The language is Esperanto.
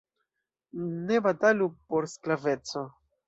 Ne batalu por sklaveco!